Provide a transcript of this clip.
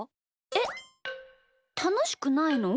えったのしくないの？